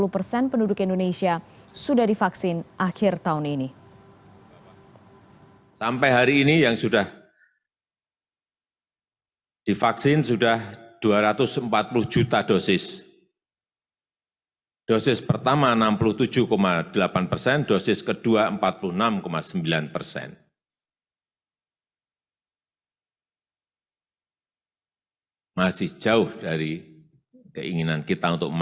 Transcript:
tujuh puluh persen penduduk indonesia sudah divaksin akhir tahun ini